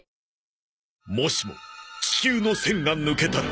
もしも地球の栓が抜けたら